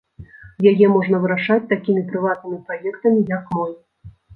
Яе можна вырашаць такімі прыватнымі праектамі, як мой.